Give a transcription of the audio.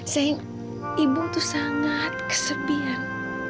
sayang ibu tuh sangat kesepian